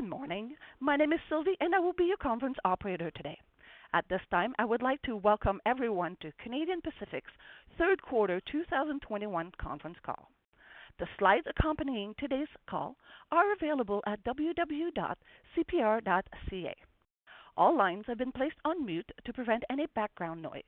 Good morning. My name is Sylvie, and I will be your conference operator today. At this time, I would like to welcome everyone to Canadian Pacific's third quarter 2021 conference call. The slides accompanying today's call are available at www.cpr.ca. All lines have been placed on mute to prevent any background noise.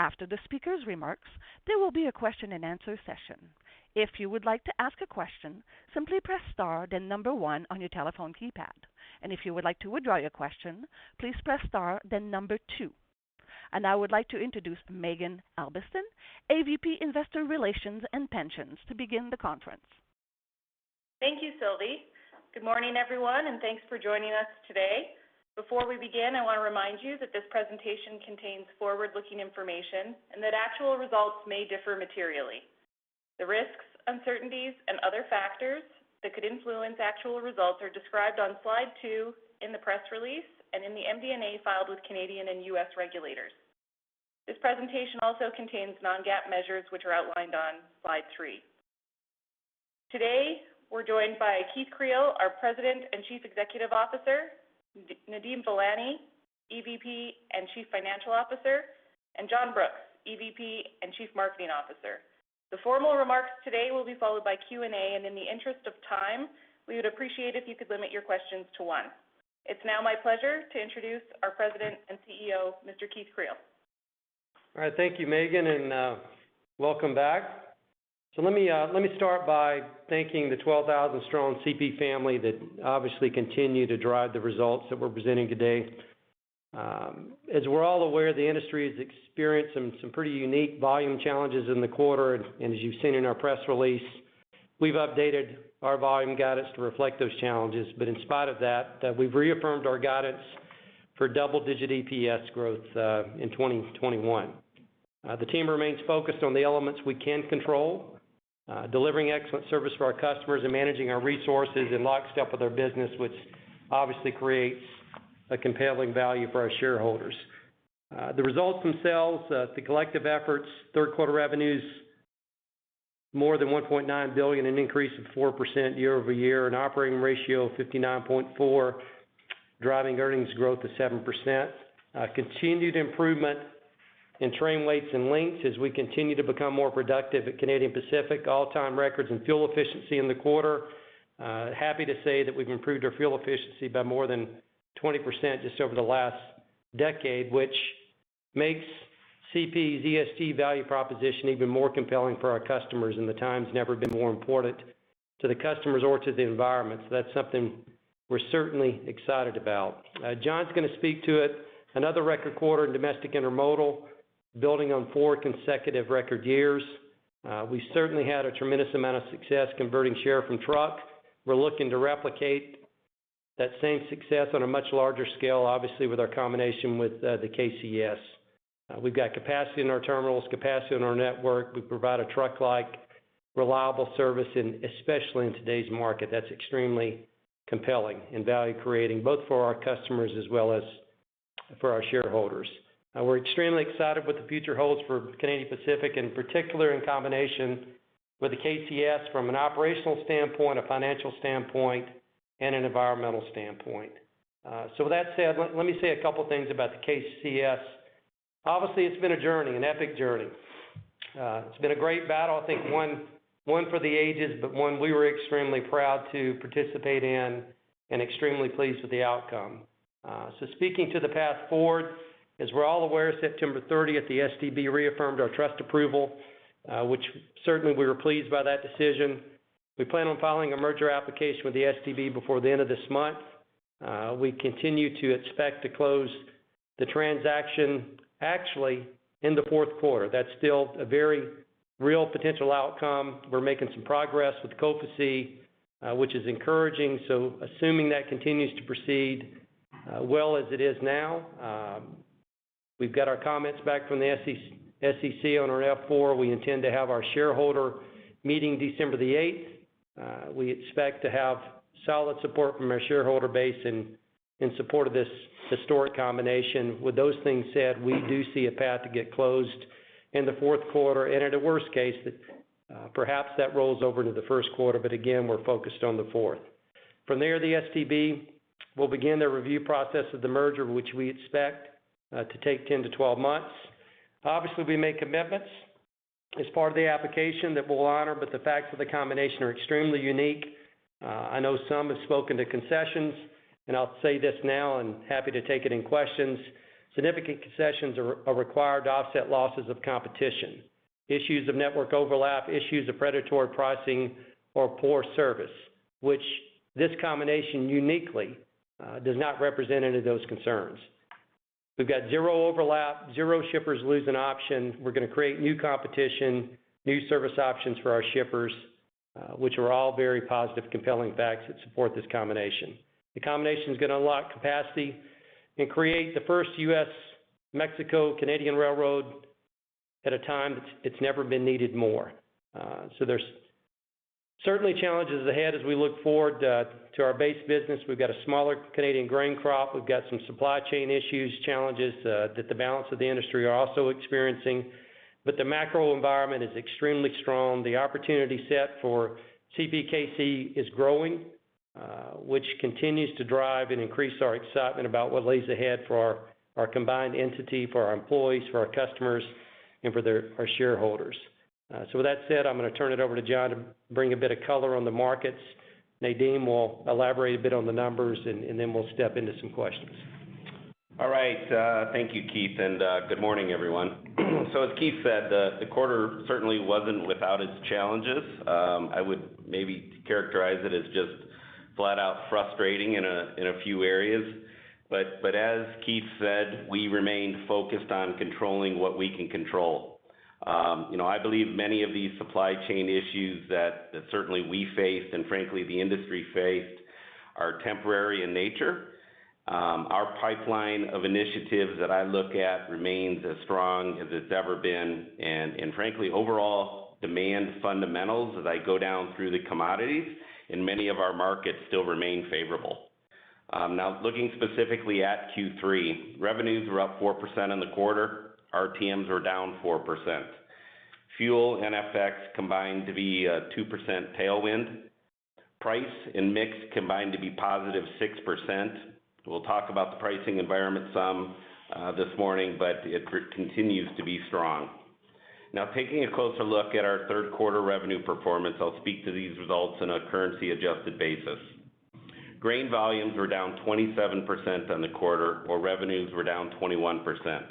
After the speakers' remarks, there will be a question-and-answer session. If you would like to ask a question, simply press star then one on your telephone keypad. If you would like to withdraw your question, please press star then two. Now I would like to introduce Maeghan Albiston, AVP Investor Relations and Pensions, to begin the conference. Thank you, Sylvie. Good morning, everyone. Thanks for joining us today. Before we begin, I want to remind you that this presentation contains forward-looking information and that actual results may differ materially. The risks, uncertainties, and other factors that could influence actual results are described on slide two in the press release and in the MD&A filed with Canadian and U.S. regulators. This presentation also contains non-GAAP measures, which are outlined on slide three. Today, we're joined by Keith Creel, our President and Chief Executive Officer, Nadeem Velani, EVP and Chief Financial Officer, and John Brooks, EVP and Chief Marketing Officer. The formal remarks today will be followed by Q&A. In the interest of time, we would appreciate if you could limit your questions to one. It's now my pleasure to introduce our President and CEO, Mr. Keith Creel. All right. Thank you, Maeghan, welcome back. Let me start by thanking the 12,000 strong CP family that obviously continue to drive the results that we're presenting today. As we're all aware, the industry has experienced some pretty unique volume challenges in the quarter, and as you've seen in our press release, we've updated our volume guidance to reflect those challenges. In spite of that, we've reaffirmed our guidance for double-digit EPS growth in 2021. The team remains focused on the elements we can control, delivering excellent service for our customers and managing our resources in lockstep with our business, which obviously creates a compelling value for our shareholders. The results themselves, the collective efforts, third quarter revenues more than 1.9 billion, an increase of 4% year-over-year, an operating ratio of 59.4, driving earnings growth to 7%. Continued improvement in train weights and lengths as we continue to become more productive at Canadian Pacific. All-time records in fuel efficiency in the quarter. Happy to say that we've improved our fuel efficiency by more than 20% just over the last decade, which makes CP's ESG value proposition even more compelling for our customers, and the time's never been more important to the customers or to the environment. That's something we're certainly excited about. John's gonna speak to it. Another record quarter in domestic intermodal, building on four consecutive record years. We certainly had a tremendous amount of success converting share from truck. We're looking to replicate that same success on a much larger scale, obviously, with our combination with the KCS. We've got capacity in our terminals, capacity in our network. We provide a truck-like reliable service, and especially in today's market, that's extremely compelling and value-creating, both for our customers as well as for our shareholders. We're extremely excited what the future holds for Canadian Pacific, in particular in combination with the KCS from an operational standpoint, a financial standpoint, and an environmental standpoint. With that said, let me say a couple things about the KCS. Obviously, it's been a journey, an epic journey. It's been a great battle, I think one for the ages, but one we were extremely proud to participate in and extremely pleased with the outcome. Speaking to the path forward, as we're all aware, September 30th, the STB reaffirmed our trust approval, which certainly we were pleased by that decision. We plan on filing a merger application with the STB before the end of this month. We continue to expect to close the transaction actually in the forth quarter. That's still a very real potential outcome. We're making some progress with COFECE, which is encouraging. Assuming that continues to proceed, well as it is now, we've got our comments back from the SEC on our F-4. We intend to have our shareholder meeting December 8th. We expect to have solid support from our shareholder base in support of this historic combination. With those things said, we do see a path to get closed in the fourth quarter, and at a worst case, perhaps that rolls over to the first quarter. Again, we're focused on the fourth. From there, the STB will begin their review process of the merger, which we expect to take 10-12 months. Obviously, we make commitments as part of the application that we'll honor, but the facts of the combination are extremely unique. I know some have spoken to concessions, and I'll say this now, and happy to take it in questions. Significant concessions are required to offset losses of competition, issues of network overlap, issues of predatory pricing or poor service, which this combination uniquely does not represent any of those concerns. We've got zero overlap, zero shippers lose an option. We're gonna create new competition, new service options for our shippers, which are all very positive, compelling facts that support this combination. The combination is gonna unlock capacity and create the first U.S.-Mexico-Canadian railroad at a time it's never been needed more. There's certainly challenges ahead as we look forward to our base business. We've got a smaller Canadian grain crop. We've got some supply chain issues, challenges that the balance of the industry are also experiencing. The macro environment is extremely strong. The opportunity set for CPKC is growing. Which continues to drive and increase our excitement about what lays ahead for our combined entity, for our employees, for our customers, and for our shareholders. With that said, I'm gonna turn it over to John to bring a bit of color on the markets. Nadeem will elaborate a bit on the numbers, and then we'll step into some questions. All right. Thank you, Keith, and good morning, everyone. As Keith said, the quarter certainly wasn't without its challenges. I would maybe characterize it as just flat out frustrating in a few areas. As Keith said, we remained focused on controlling what we can control. You know, I believe many of these supply chain issues that certainly we faced, and frankly, the industry faced, are temporary in nature. Our pipeline of initiatives that I look at remains as strong as it's ever been. Frankly, overall demand fundamentals as I go down through the commodities in many of our markets still remain favorable. Now looking specifically at Q3, revenues were up 4% on the quarter. RTMs were down 4%. Fuel and FX combined to be a 2% tailwind. Price and mix combined to be positive 6%. We'll talk about the pricing environment some this morning, but it continues to be strong. Now taking a closer look at our third quarter revenue performance, I'll speak to these results in a currency-adjusted basis. Grain volumes were down 27% on the quarter, while revenues were down 21%.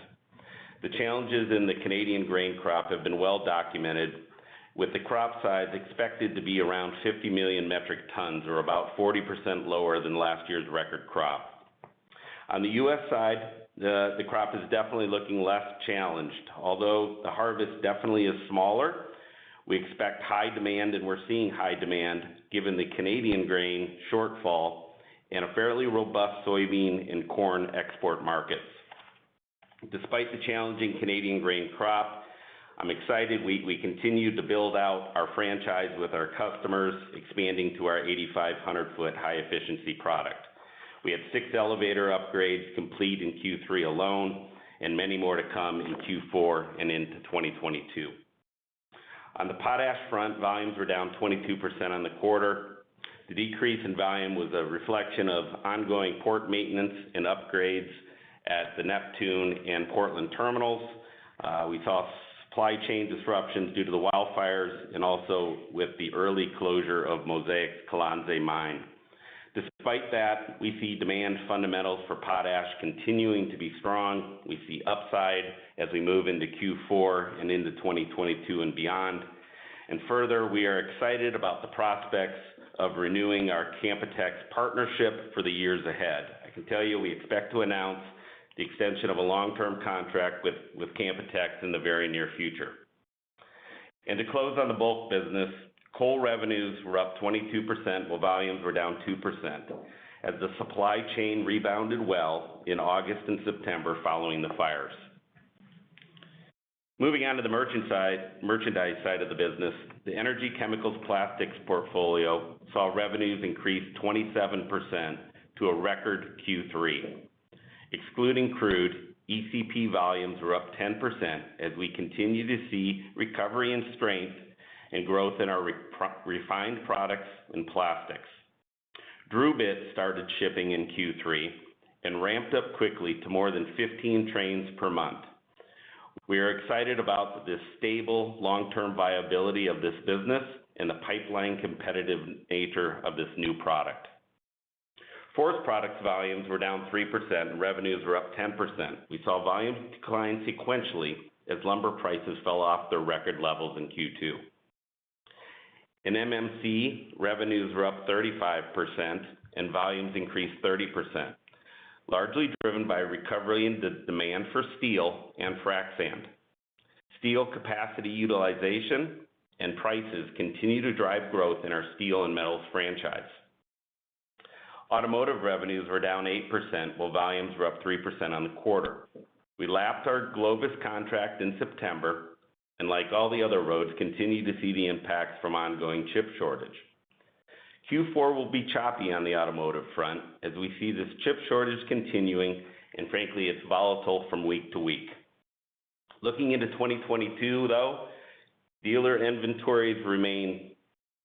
The challenges in the Canadian grain crop have been well documented with the crop size expected to be around 50 million metric tons, or about 40% lower than last year's record crop. On the U.S. side, the crop is definitely looking less challenged. Although the harvest definitely is smaller, we expect high demand, and we're seeing high demand given the Canadian grain shortfall and a fairly robust soybean and corn export markets. Despite the challenging Canadian grain crop, I'm excited we continue to build out our franchise with our customers, expanding to our 8,500 foot high efficiency product. We had six elevator upgrades complete in Q3 alone and many more to come in Q4 and into 2022. On the potash front, volumes were down 22% on the quarter. The decrease in volume was a reflection of ongoing port maintenance and upgrades at the Neptune and Portland terminals. We saw supply chain disruptions due to the wildfires and also with the early closure of Mosaic's Colonsay mine. Despite that, we see demand fundamentals for potash continuing to be strong. We see upside as we move into Q4 and into 2022 and beyond. Further, we are excited about the prospects of renewing our Canpotex partnership for the years ahead. I can tell you, we expect to announce the extension of a long-term contract with Canpotex in the very near future. To close on the bulk business, coal revenues were up 22%, while volumes were down 2% as the supply chain rebounded well in August and September following the fires. Moving on to the merchandise side of the business, the energy chemicals plastics portfolio saw revenues increase 27% to a record Q3. Excluding crude, ECP volumes were up 10% as we continue to see recovery and strength and growth in our refined products and plastics. DRUbit started shipping in Q3 and ramped up quickly to more than 15 trains per month. We are excited about the stable long-term viability of this business and the pipeline competitive nature of this new product. Forest Products volumes were down 3%, and revenues were up 10%. We saw volumes decline sequentially as lumber prices fell off their record levels in Q2. In MMC, revenues were up 35%, and volumes increased 30%, largely driven by recovery in the demand for steel and frac sand. Steel capacity utilization and prices continue to drive growth in our steel and metals franchise. Automotive revenues were down 8%, while volumes were up 3% on the quarter. We lapped our Glovis contract in September, and like all the other roads, continue to see the impacts from ongoing chip shortage. Q4 will be choppy on the automotive front as we see this chip shortage continuing, and frankly, it's volatile from week-to-week. Looking into 2022 though, dealer inventories remain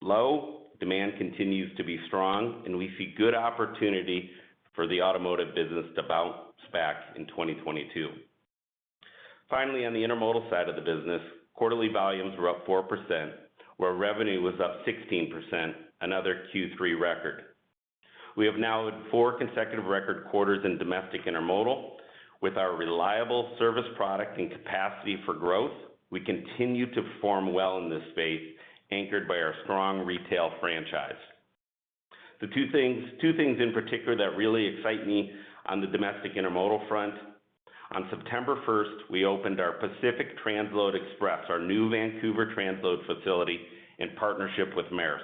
low, demand continues to be strong, and we see good opportunity for the automotive business to bounce back in 2022. Finally, on the intermodal side of the business, quarterly volumes were up 4%, while revenue was up 16%, another Q3 record. We have now had four consecutive record quarters in domestic intermodal. With our reliable service product and capacity for growth, we continue to perform well in this space, anchored by our strong retail franchise. The two things in particular that really excite me on the domestic intermodal front, on September 1st, we opened our Pacific Transload Express, our new Vancouver transload facility in partnership with Maersk.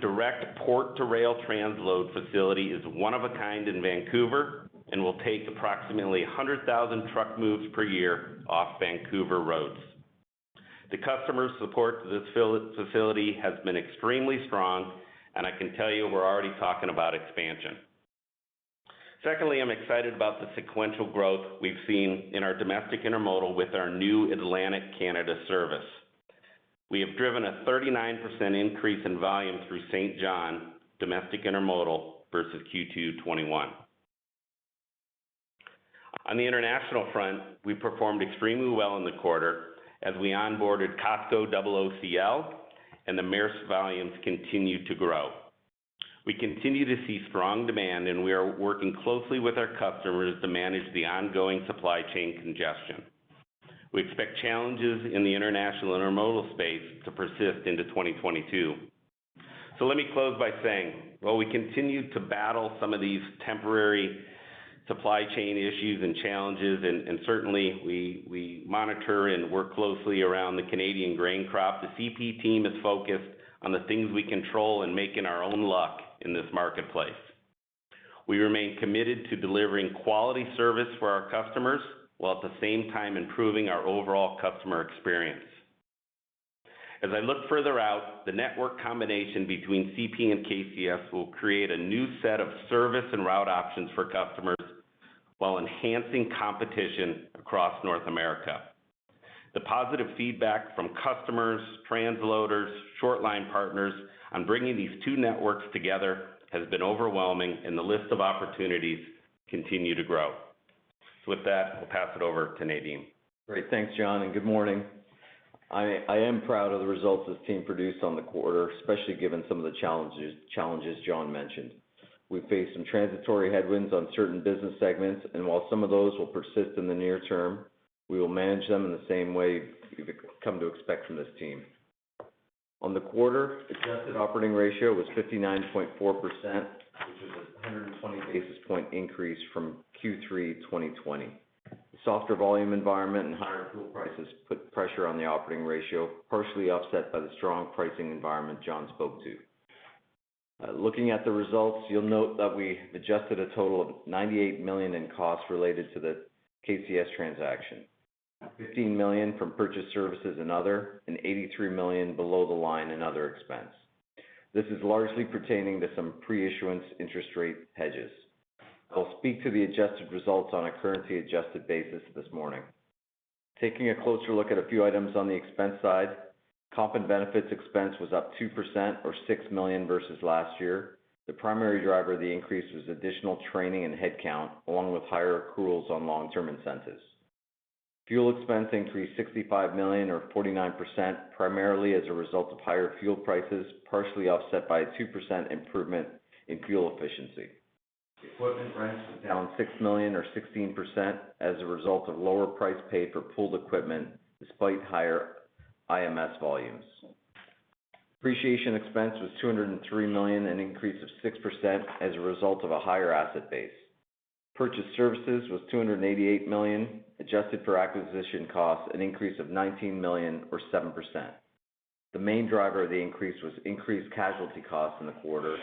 Direct port-to-rail transload facility is one of a kind in Vancouver and will take approximately 100,000 truck moves per year off Vancouver roads. The customer support to this facility has been extremely strong, and I can tell you, we're already talking about expansion. Secondly, I'm excited about the sequential growth we've seen in our domestic intermodal with our new Atlantic Canada service. We have driven a 39% increase in volume through Saint John domestic intermodal versus Q2 2021. On the international front, we performed extremely well in the quarter as we onboarded COSCO OOCL and the Maersk volumes continue to grow. We continue to see strong demand, and we are working closely with our customers to manage the ongoing supply chain congestion. We expect challenges in the international intermodal space to persist into 2022. Let me close by saying, while we continue to battle some of these temporary supply chain issues and challenges, and certainly we monitor and work closely around the Canadian grain crop, the CP team is focused on the things we control and making our own luck in this marketplace. We remain committed to delivering quality service for our customers, while at the same time improving our overall customer experience. As I look further out, the network combination between CP and KCS will create a new set of service and route options for customers while enhancing competition across North America. The positive feedback from customers, transloaders, short line partners on bringing these two networks together has been overwhelming, and the list of opportunities continue to grow. With that, I'll pass it over to Nadeem. Great. Thanks, John. Good morning. I am proud of the results this team produced on the quarter, especially given some of the challenges John mentioned. We faced some transitory headwinds on certain business segments, and while some of those will persist in the near term, we will manage them in the same way you've come to expect from this team. On the quarter, adjusted operating ratio was 59.4%, which is a 120 basis point increase from Q3 2020. Softer volume environment and higher fuel prices put pressure on the operating ratio, partially offset by the strong pricing environment John spoke to. Looking at the results, you'll note that we adjusted a total of 98 million in costs related to the KCS transaction. 15 million from purchased services and other, 83 million below the line and other expense. This is largely pertaining to some pre-issuance interest rate hedges. I'll speak to the adjusted results on a currency adjusted basis this morning. Taking a closer look at a few items on the expense side, comp and benefits expense was up 2% or 6 million versus last year. The primary driver of the increase was additional training and headcount, along with higher accruals on long-term incentives. Fuel expense increased 65 million or 49%, primarily as a result of higher fuel prices, partially offset by a 2% improvement in fuel efficiency. Equipment rents was down 6 million or 16% as a result of lower price paid for pooled equipment despite higher IMS volumes. Depreciation expense was 203 million, an increase of 6% as a result of a higher asset base. Purchased services was 288 million, adjusted for acquisition costs, an increase of 19 million or 7%. The main driver of the increase was increased casualty costs in the quarter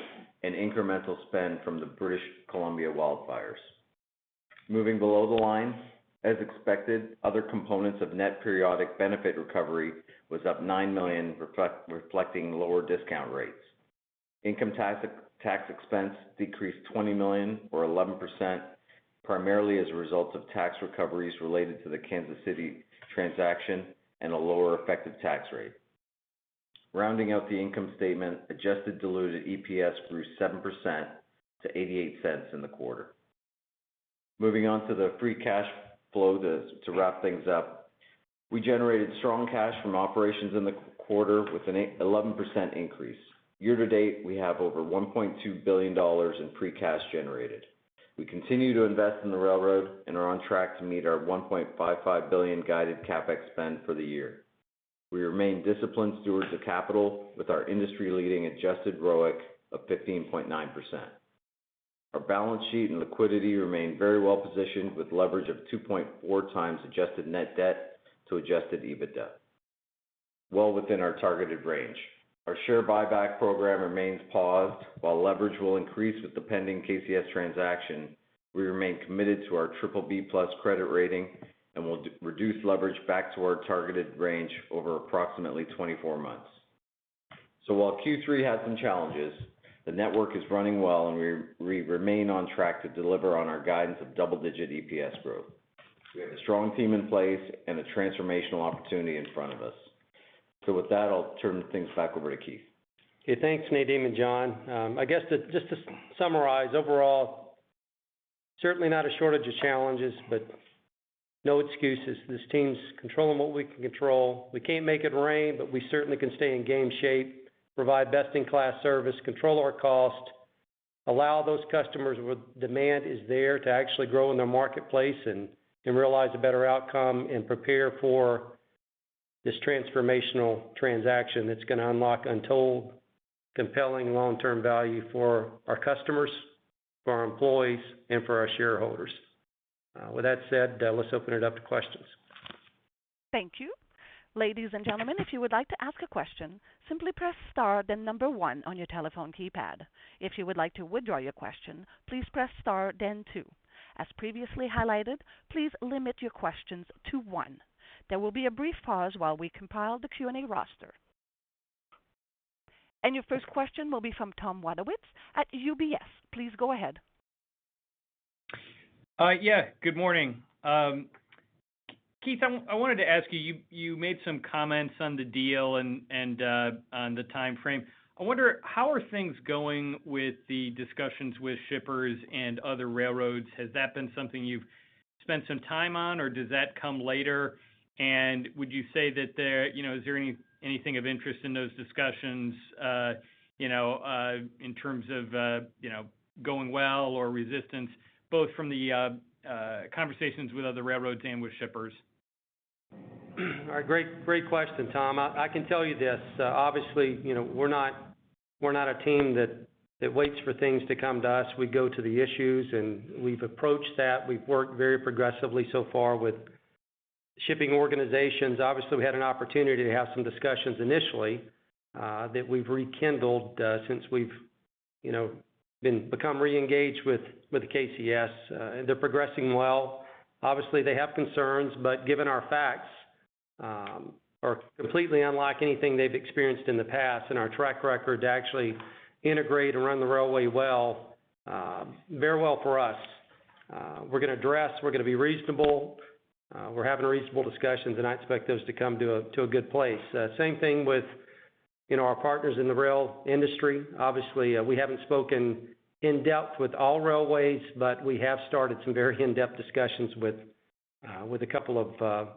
and incremental spend from the British Columbia wildfires. Moving below the line, as expected, other components of net periodic benefit recovery was up 9 million, reflecting lower discount rates. Income tax expense decreased 20 million or 11%, primarily as a result of tax recoveries related to the Kansas City transaction and a lower effective tax rate. Rounding out the income statement, adjusted diluted EPS grew 7% to 0.88 in the quarter. Moving on to the free cash flow to wrap things up. We generated strong cash from operations in the quarter with an 11% increase. Year-to-date, we have over 1.2 billion dollars in free cash generated. We continue to invest in the railroad and are on track to meet our 1.55 billion guided CapEx spend for the year. We remain disciplined stewards of capital with our industry-leading adjusted ROIC of 15.9%. Our balance sheet and liquidity remain very well positioned with leverage of 2.4x adjusted net debt to adjusted EBITDA, well within our targeted range. Our share buyback program remains paused. While leverage will increase with the pending KCS transaction, we remain committed to our BBB+ credit rating and will reduce leverage back to our targeted range over approximately 24 months. While Q3 had some challenges, the network is running well, and we remain on track to deliver on our guidance of double-digit EPS growth. We have a strong team in place and a transformational opportunity in front of us. With that, I'll turn things back over to Keith. Okay. Thanks, Nadeem and John. I guess to summarize, overall, certainly not a shortage of challenges, but no excuses. This team's controlling what we can control. We can't make it rain, but we certainly can stay in game shape, provide best-in-class service, control our cost, allow those customers where demand is there to actually grow in their marketplace and realize a better outcome and prepare for this transformational transaction that's gonna unlock untold compelling long-term value for our customers, for our employees, and for our shareholders. With that said, let's open it up to questions. Thank you. Ladies and gentlemen, if you would like to ask a question, simply press star then number one on your telephone keypad. If you would like to withdraw your question, please press star then two. As previously highlighted, please limit your questions to one. There will be a brief pause while we compile the Q&A roster. Your first question will be from Tom Wadewitz at UBS. Please go ahead. Yeah, good morning. Keith, I wanted to ask you made some comments on the deal and on the timeframe. I wonder, how are things going with the discussions with shippers and other railroads? Has that been something you've spent some time on, or does that come later? Would you say that there, you know, is there anything of interest in those discussions, you know, in terms of, you know, going well or resistance, both from the conversations with other railroads and with shippers? All right. Great, great question, Tom. I can tell you this, obviously, you know, we're not a team that waits for things to come to us. We go to the issues, we've approached that. We've worked very progressively so far with shipping organizations. Obviously, we had an opportunity to have some discussions initially that we've rekindled since we've, you know, become re-engaged with KCS, they're progressing well. Obviously, they have concerns, given our facts are completely unlike anything they've experienced in the past, our track record to actually integrate and run the railway well, very well for us. We're gonna address, we're gonna be reasonable. We're having reasonable discussions, I expect those to come to a good place. Same thing with, you know, our partners in the rail industry. Obviously, we haven't spoken in depth with all railways, but we have started some very in-depth discussions with a couple of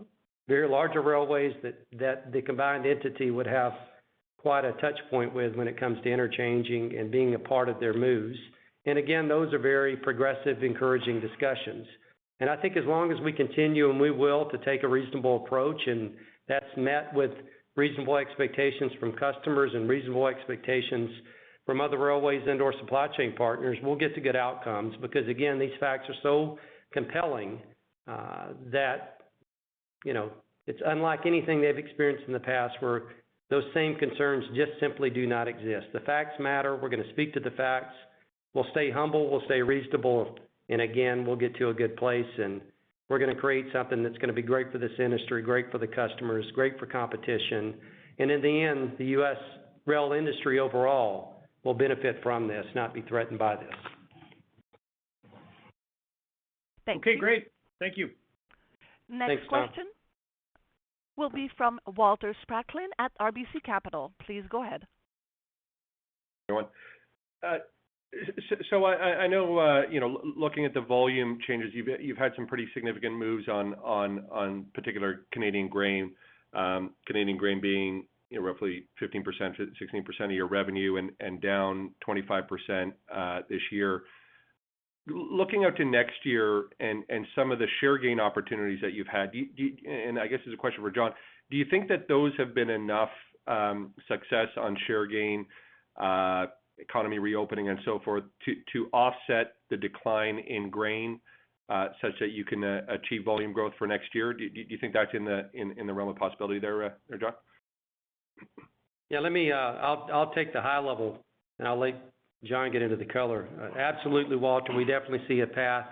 very larger railways that the combined entity would have quite a touch point with when it comes to interchanging and being a part of their moves. Those are very progressive, encouraging discussions. I think as long as we continue, and we will, to take a reasonable approach, and that's met with reasonable expectations from customers and reasonable expectations from other railways and/or supply chain partners, we'll get to good outcomes. These facts are so compelling that, you know, it's unlike anything they've experienced in the past, where those same concerns just simply do not exist. The facts matter. We're gonna speak to the facts. We'll stay humble, we'll stay reasonable, again, we'll get to a good place. We're gonna create something that's gonna be great for this industry, great for the customers, great for competition. In the end, the U.S. rail industry overall will benefit from this, not be threatened by this. Thank you. Okay, great. Thank you. Thanks, Tom. Next question will be from Walter Spracklin at RBC Capital. Please go ahead. Everyone. I know, you know, looking at the volume changes, you've had some pretty significant moves on particular Canadian grain, Canadian grain being, you know, roughly 15%-16% of your revenue and down 25% this year. Looking out to next year and some of the share gain opportunities that you've had, do you— I guess this is a question for John. Do you think that those have been enough success on share gain, economy reopening and so forth to offset the decline in grain such that you can achieve volume growth for next year? Do you think that's in the realm of possibility there, John? Yeah, let me, I'll take the high level, and I'll let John get into the color. Absolutely, Walter, we definitely see a path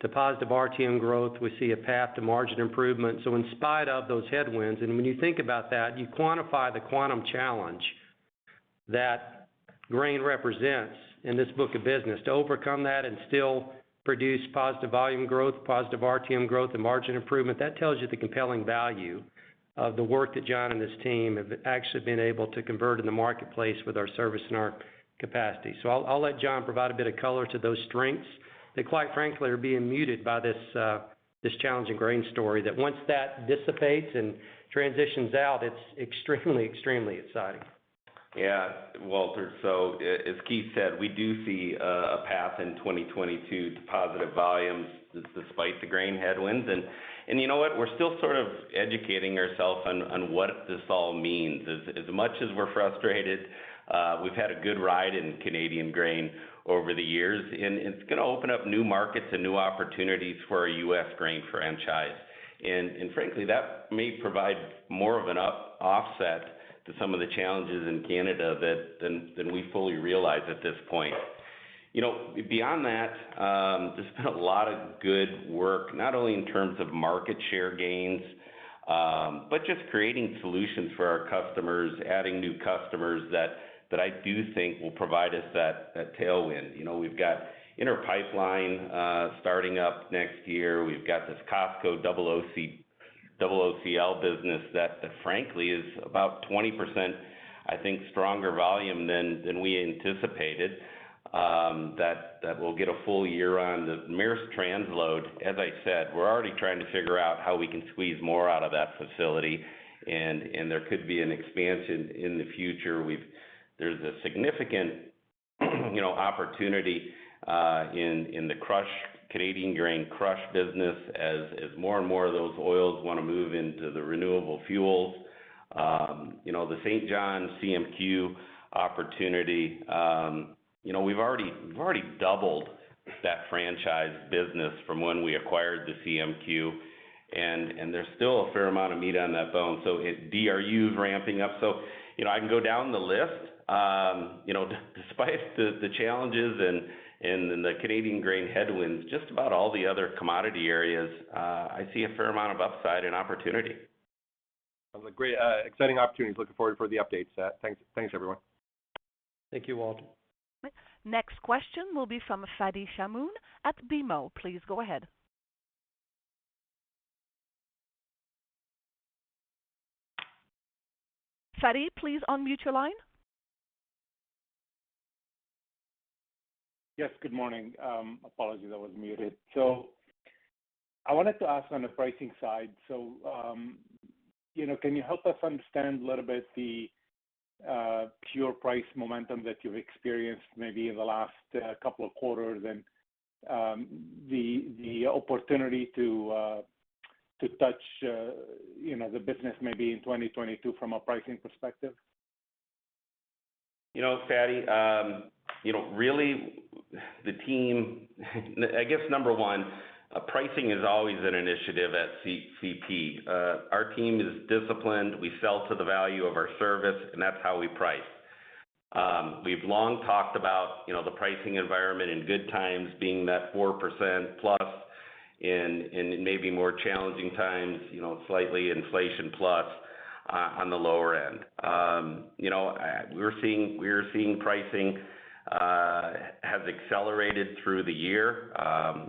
to positive RTM growth. We see a path to margin improvement. In spite of those headwinds, and when you think about that, you quantify the quantum challenge that grain represents in this book of business. To overcome that and still produce positive volume growth, positive RTM growth, and margin improvement, that tells you the compelling value of the work that John and his team have actually been able to convert in the marketplace with our service and our capacity. I'll let John provide a bit of color to those strengths that, quite frankly, are being muted by this challenging grain story, that once that dissipates and transitions out, it's extremely exciting. Walter, as Keith said, we do see a path in 2022 to positive volumes despite the grain headwinds. You know what? We're still sort of educating ourselves on what this all means. As much as we're frustrated, we've had a good ride in Canadian grain over the years, it's gonna open up new markets and new opportunities for our U.S. grain franchise. Frankly, that may provide more of an offset to some of the challenges in Canada than we fully realize at this point. You know, beyond that, there's been a lot of good work, not only in terms of market share gains, but just creating solutions for our customers, adding new customers that I do think will provide us that tailwind. You know, we've got Inter Pipeline starting up next year. We've got this COSCO OOCL business that frankly is about 20%, I think, stronger volume than we anticipated, that we'll get a full year on. The Maersk transload, as I said, we're already trying to figure out how we can squeeze more out of that facility and there could be an expansion in the future. There's a significant, you know, opportunity in the crush, Canadian grain crush business as more and more of those oils wanna move into the renewable fuels. You know, the Saint John CMQ opportunity, you know, we've already doubled that franchise business from when we acquired the CMQ, and there's still a fair amount of meat on that bone. DRU's ramping up. You know, I can go down the list, despite the challenges and the Canadian grain headwinds, just about all the other commodity areas, I see a fair amount of upside and opportunity. Those are great, exciting opportunities. Looking forward for the updates. Thanks everyone. Thank you, Walter. Next question will be from Fadi Chamoun at BMO. Please go ahead. Fadi, please unmute your line. Yes, good morning. Apologies, I was muted. I wanted to ask on the pricing side, you know, can you help us understand a little bit the pure price momentum that you've experienced maybe in the last couple of quarters and the opportunity to touch, you know, the business maybe in 2022 from a pricing perspective? You know, Fadi, you know, really the team I guess number one, pricing is always an initiative at CP. Our team is disciplined. We sell to the value of our service, and that's how we price. We've long talked about, you know, the pricing environment in good times being that 4% plus, in maybe more challenging times, you know, slightly inflation plus, on the lower end. You know, we're seeing pricing has accelerated through the year.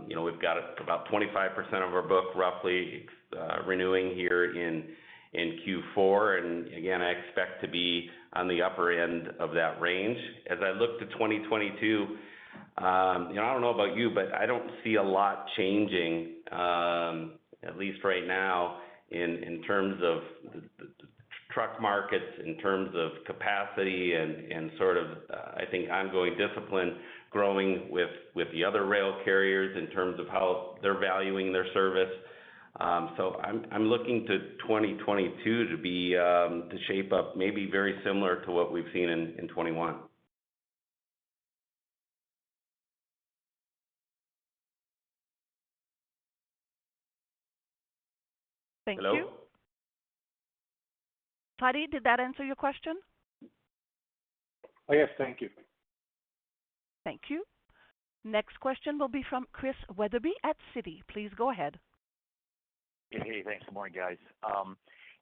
You know, we've got about 25% of our book roughly, renewing here in Q4, and again, I expect to be on the upper end of that range. As I look to 2022, you know, I don't know about you, but I don't see a lot changing, at least right now in terms of the truck markets, in terms of capacity and sort of, I think ongoing discipline growing with the other rail carriers in terms of how they're valuing their service. I'm looking to 2022 to be to shape up maybe very similar to what we've seen in 2021. Thank you. Fadi, did that answer your question? Yes. Thank you. Thank you. Next question will be from Chris Wetherbee at Citi. Please go ahead. Hey. Thanks. Good morning, guys. You know,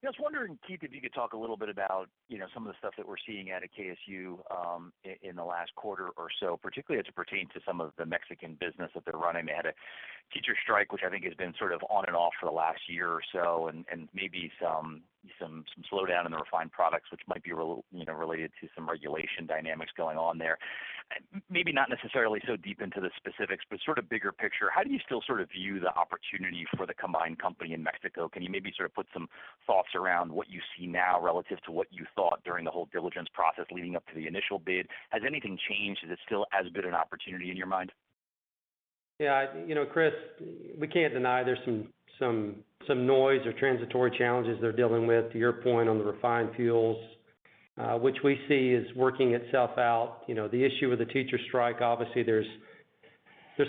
I was wondering, Keith, if you could talk a little bit about, you know, some of the stuff that we're seeing out of KSU in the last quarter or so, particularly as it pertains to some of the Mexican business that they're running. They had a teacher strike, which I think has been sort of on and off for the last year or so, and maybe some slowdown in the refined products, which might be you know, related to some regulation dynamics going on there. Maybe not necessarily so deep into the specifics, but sort of bigger picture, how do you still sort of view the opportunity for the combined company in Mexico? Can you maybe sort of put some thoughts around what you see now relative to what you thought during the whole diligence process leading up to the initial bid? Has anything changed? Is it still as good an opportunity in your mind? Yeah. You know, Chris, we can't deny there's some noise or transitory challenges they're dealing with. To your point on the refined fuels, which we see is working itself out. You know, the issue with the teacher strike, obviously there's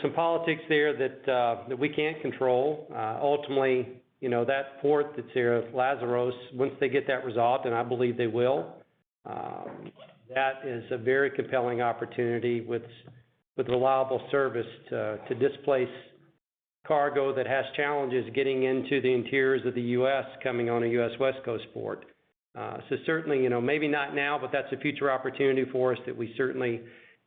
some politics there that we can't control. Ultimately, you know, that port that's here, Lázaro Cárdenas, once they get that resolved, and I believe they will, that is a very compelling opportunity with reliable service to displace cargo that has challenges getting into the interiors of the U.S. coming on a U.S. West Coast port. Certainly, you know, maybe not now, but that's a future opportunity for us that we certainly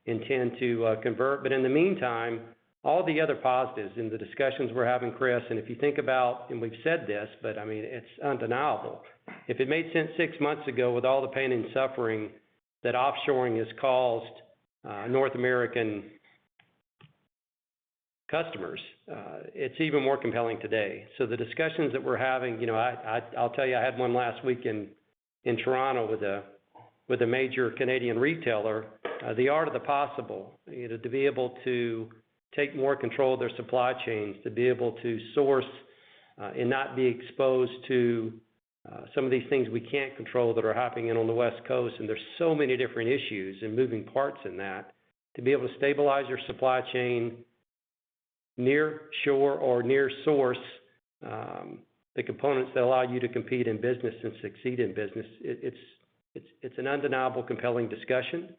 intend to convert. In the meantime, all the other positives in the discussions we're having, Chris, and if you think about, and we've said this, but I mean, it's undeniable, if it made sense six months ago with all the pain and suffering that offshoring has caused, North American customers, it's even more compelling today. The discussions that we're having, you know, I, I'll tell you, I had one last week in Toronto with a, with a major Canadian retailer. The art of the possible, you know, to be able to take more control of their supply chains, to be able to source and not be exposed to some of these things we can't control that are happening on the West Coast. There's so many different issues and moving parts in that to be able to stabilize your supply chain near shore or near source, the components that allow you to compete in business and succeed in business. It, it's an undeniable, compelling discussion.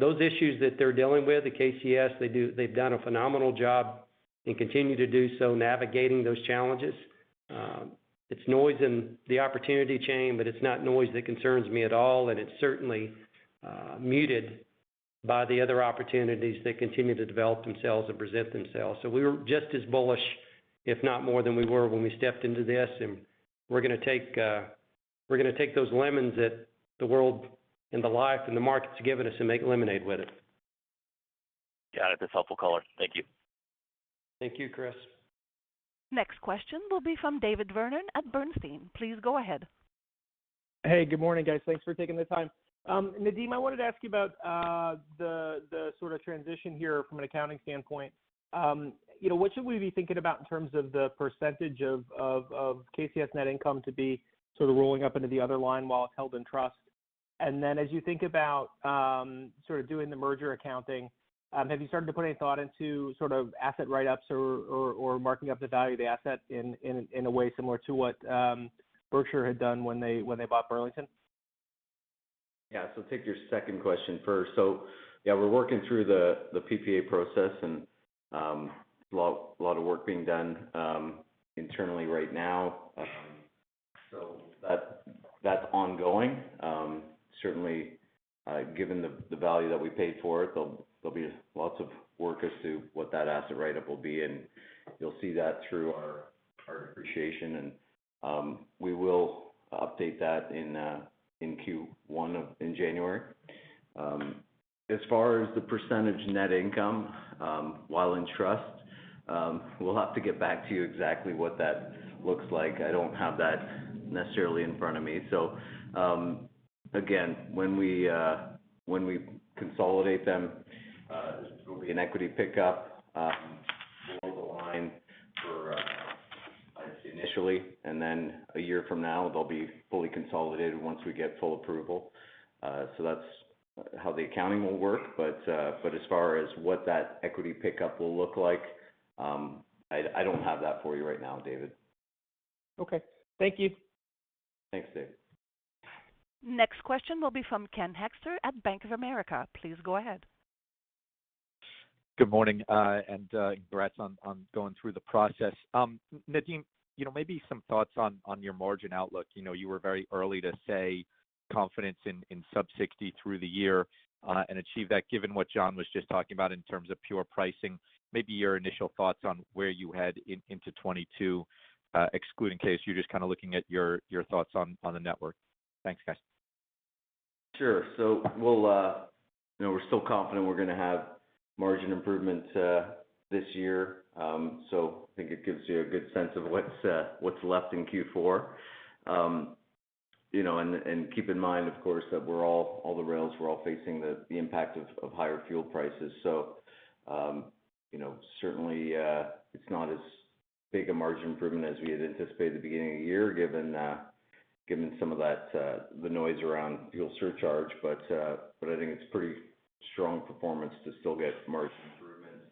Those issues that they're dealing with at KCS, they've done a phenomenal job and continue to do so, navigating those challenges. It's noise in the opportunity chain, but it's not noise that concerns me at all, and it's certainly muted by the other opportunities that continue to develop themselves and present themselves. We're just as bullish, if not more than we were when we stepped into this, and we're gonna take those lemons that the world and the life and the market's given us and make lemonade with it. Got it. That's helpful color. Thank you. Thank you, Chris. Next question will be from David Vernon at Bernstein. Please go ahead. Hey, good morning, guys. Thanks for taking the time. Nadeem, I wanted to ask you about the sort of transition here from an accounting standpoint. You know, what should we be thinking about in terms of the percentage of KCS net income to be sort of rolling up into the other line while it's held in trust? As you think about sort of doing the merger accounting, have you started to put any thought into sort of asset write-ups or marking up the value of the asset in a way similar to what Berkshire had done when they bought Burlington? I'll take your second question first. Yeah, we're working through the PPA process and a lot of work being done internally right now. That's ongoing. Certainly, given the value that we paid for it, there'll be lots of work as to what that asset write-up will be, and you'll see that through our depreciation. We will update that in Q1 in January. As far as the percentage net income, while in trust, we'll have to get back to you exactly what that looks like. I don't have that necessarily in front of me. Again, when we, when we consolidate them, there's probably an equity pickup below the line for initially, and then a year from now, they'll be fully consolidated once we get full approval. That's how the accounting will work, but as far as what that equity pickup will look like, I don't have that for you right now, David. Okay. Thank you. Thanks, David. Next question will be from Ken Hoexter at Bank of America. Please go ahead. Good morning. Congrats on going through the process. Nadeem, you know, maybe some thoughts on your margin outlook. You know, you were very early to say confidence in sub-60% through the year, and achieve that given what John was just talking about in terms of pure pricing. Maybe your initial thoughts on where you head into 2022, excluding KCS, you're just kind of looking at your thoughts on the network. Thanks, guys. Sure. We'll, you know, we're still confident we're gonna have margin improvements this year. I think it gives you a good sense of what's left in Q4. You know, and keep in mind, of course, that we're all the rails, we're all facing the impact of higher fuel prices. You know, certainly, it's not as big a margin improvement as we had anticipated at the beginning of the year given some of that the noise around fuel surcharge. I think it's pretty strong performance to still get margin improvements.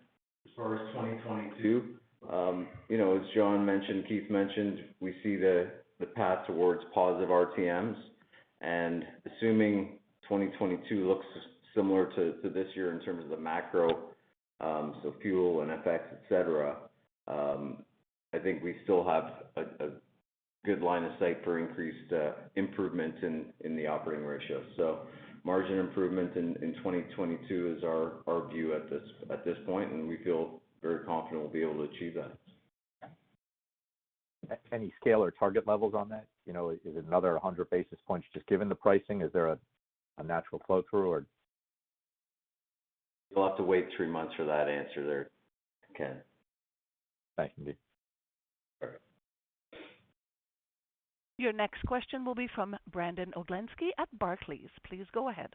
As far as 2022, you know, as John mentioned, Keith mentioned, we see the path towards positive RTMs. Assuming 2022 looks similar to this year in terms of the macro, so fuel and FX, et cetera, I think we still have a good line of sight for increased improvement in the operating ratio. Margin improvement in 2022 is our view at this point, and we feel very confident we'll be able to achieve that. Any scale or target levels on that? You know, is it another 100 basis points just given the pricing? Is there a natural flow-through or? You'll have to wait three months for that answer there, Ken. Thanks, Nadeem. All right. Your next question will be from Brandon Oglenski at Barclays. Please go ahead.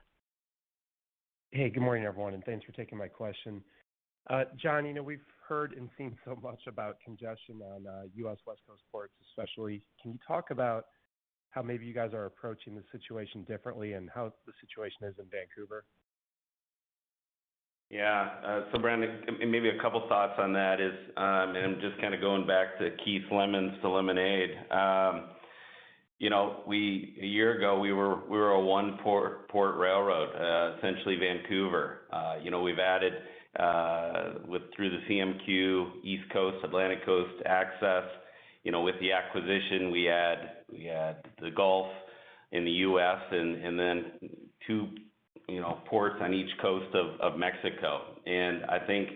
Hey, good morning, everyone, and thanks for taking my question. John, you know, we've heard and seen so much about congestion on U.S. West Coast ports especially. Can you talk about how maybe you guys are approaching the situation differently and how the situation is in Vancouver? Brandon, maybe a couple thoughts on that is, and I'm just kinda going back to Keith's lemon to lemonade. You know, a year ago, we were a one-port port railroad, essentially Vancouver. You know, we've added, through the CMQ, East Coast, Atlantic Coast access. You know, with the acquisition, we add the Gulf in the U.S. and then two, you know, ports on each coast of Mexico. I think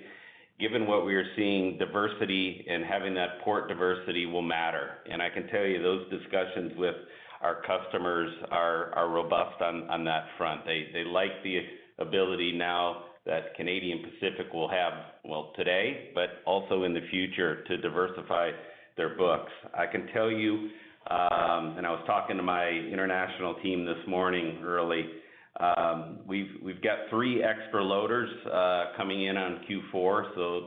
given what we are seeing, diversity and having that port diversity will matter. I can tell you those discussions with our customers are robust on that front. They like the ability now that Canadian Pacific will have, well, today, but also in the future to diversify their books. I can tell you, I was talking to my international team this morning early, we've got three extra loaders coming in on Q4.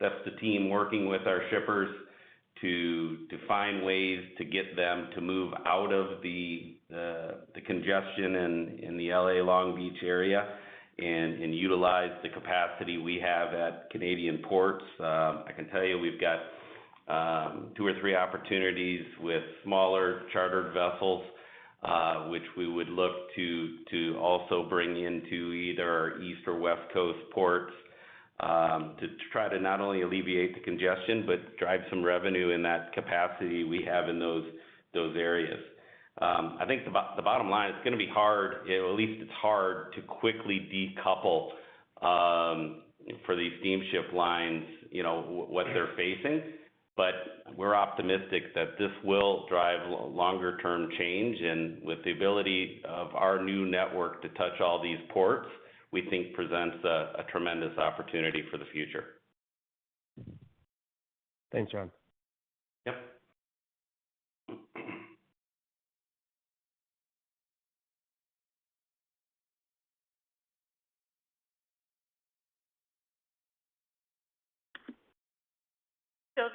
That's the team working with our shippers to find ways to get them to move out of the congestion in the L.A. Long Beach area and utilize the capacity we have at Canadian ports. I can tell you we've got two or three opportunities with smaller chartered vessels, which we would look to also bring into either our East or West Coast ports, to try to not only alleviate the congestion but drive some revenue in that capacity we have in those areas. I think the bottom line, it's gonna be hard, at least it's hard to quickly decouple, for these steamship lines, you know, what they're facing. We're optimistic that this will drive longer term change. With the ability of our new network to touch all these ports, we think presents a tremendous opportunity for the future. Thanks, John.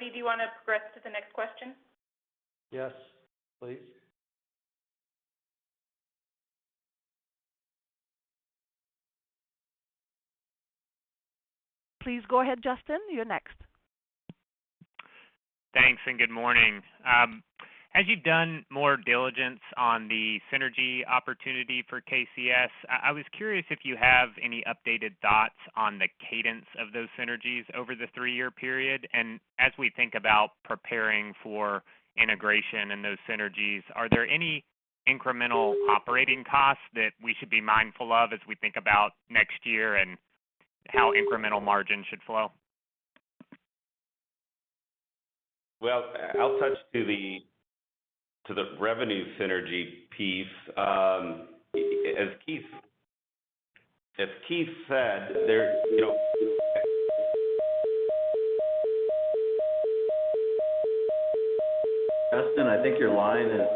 Yep. Sylvie, do you wanna progress to the next question? Yes, please. Please go ahead, Justin. You're next. Thanks, and good morning. As you've done more diligence on the synergy opportunity for KCS, I was curious if you have any updated thoughts on the cadence of those synergies over the three-year period. As we think about preparing for integration and those synergies, are there any incremental operating costs that we should be mindful of as we think about next year and how incremental margin should flow? I'll touch to the revenue synergy piece. As Keith said, there, you know. Justin, I think your line is.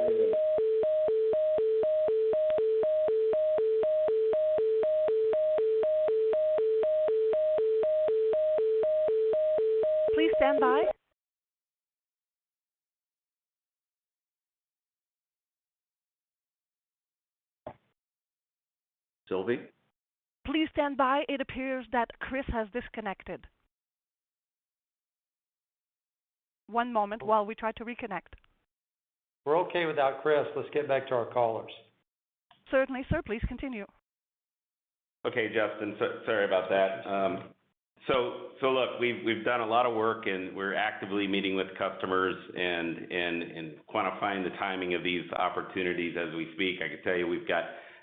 Please stand by. Sylvie? Please stand by. It appears that Chris has disconnected. One moment while we try to reconnect. We're okay without Chris. Let's get back to our callers. Certainly, sir. Please continue. Okay, Justin, sorry about that. Look, we've done a lot of work and we're actively meeting with customers and quantifying the timing of these opportunities as we speak. I can tell you we've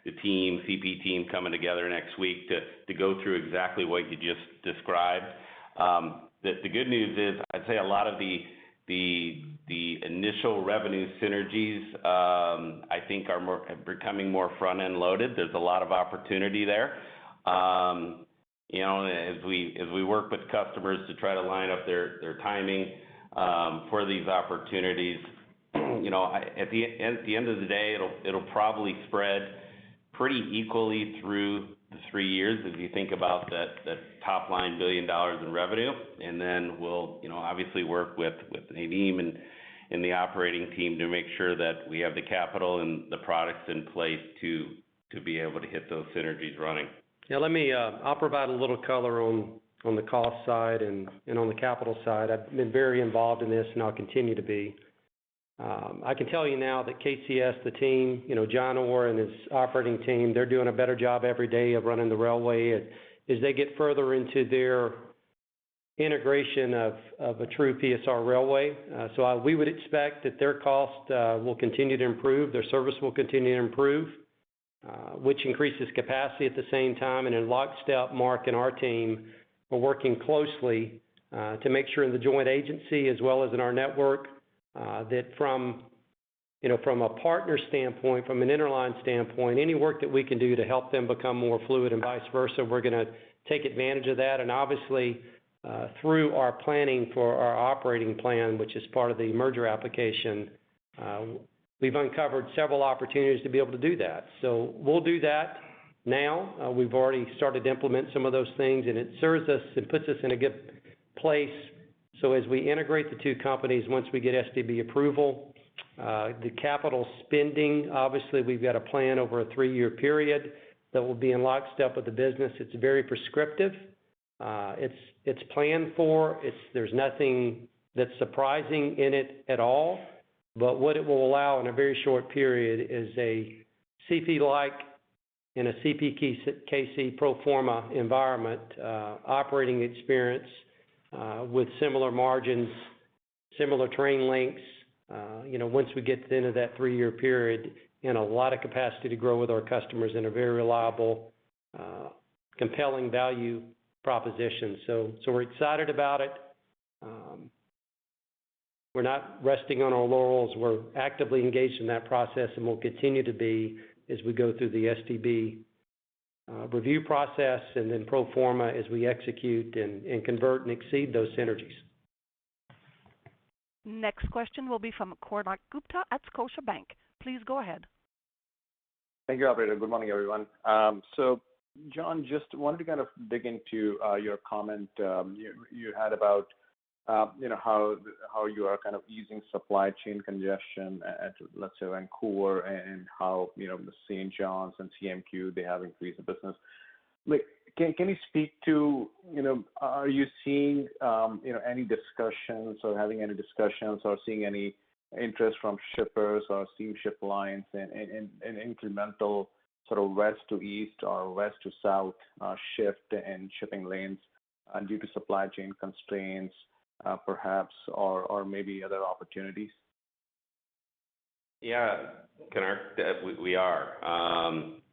got the team, CP team coming together next week to go through exactly what you just described. The good news is I'd say a lot of the initial revenue synergies, I think are becoming more front-end loaded. There's a lot of opportunity there. You know, as we work with customers to try to line up their timing for these opportunities, you know, at the end of the day, it'll probably spread pretty equally through the three years as you think about that top line 1 billion dollars in revenue. We'll, you know, obviously work with Nadeem and the operating team to make sure that we have the capital and the products in place to be able to hit those synergies running. Let me, I'll provide a little color on the cost side and on the capital side. I've been very involved in this, and I'll continue to be. I can tell you now that KCS, the team, you know, John Orr and his operating team, they're doing a better job every day of running the railway as they get further into their integration of a true PSR railway. We would expect that their cost will continue to improve, their service will continue to improve, which increases capacity at the same time. In lockstep, Mark and our team are working closely to make sure in the joint agency as well as in our network, that from a partner standpoint, from an interline standpoint, any work that we can do to help them become more fluid and vice versa, we are going to take advantage of that. Obviously, through our planning for our operating plan, which is part of the merger application, we have uncovered several opportunities to be able to do that. We will do that now. We have already started to implement some of those things, and it serves us and puts us in a good place. As we integrate the two companies, once we get STB approval, the capital spending, obviously we have a plan over a three-year period that will be in lockstep with the business. It is very prescriptive. It's, it's planned for. There's nothing that's surprising in it at all. What it will allow in a very short period is a CP-like and a CPKC pro forma environment, operating experience, with similar margins, similar train lengths, you know, once we get to the end of that three-year period in a lot of capacity to grow with our customers in a very reliable, compelling value proposition. We're excited about it. We're not resting on our laurels. We're actively engaged in that process and will continue to be as we go through the STB review process and then pro forma as we execute and convert and exceed those synergies. Next question will be from Konark Gupta at Scotiabank. Please go ahead. Thank you, operator. Good morning, everyone. John, just wanted to kind of dig into your comment, you had about, you know, how you are kind of easing supply chain congestion at, let's say, Vancouver and how, you know, the Saint John and CMQ, they have increased the business. Like, can you speak to, you know, are you seeing, you know, any discussions or having any discussions or seeing any interest from shippers or steamship lines in incremental sort of west to east or west to south shift in shipping lanes, due to supply chain constraints, perhaps or maybe other opportunities? Yeah. Konark, we are.